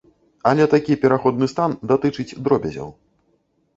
Але такі пераходны стан датычыць дробязяў.